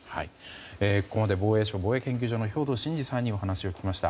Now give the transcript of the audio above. ここまで防衛省防衛研究所の兵頭慎治さんにお話を聞きました。